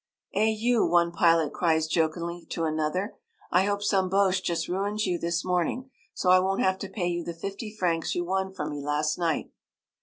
"Eh, you," one pilot cries jokingly to another, "I hope some Boche just ruins you this morning, so I won't have to pay you the fifty francs you won from me last night!"